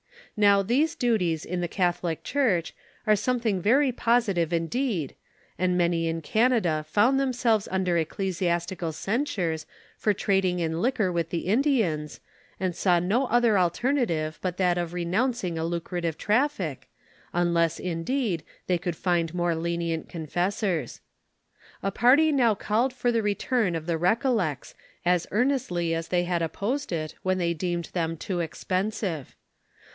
Now these duties in the catholic church are something very positive indeed, and many in Canada found them selves under ecclesiastical censures for trading in liquor with the Indians, and saw no other alternative but that of renouncing a lucrative traffic, unless, in deed they could find more lenient confessors. A party now called for the return of the Recollects as earnestly as they had opposed it when they deemed them too expensive.